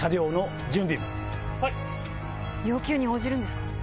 要求に応じるんですか？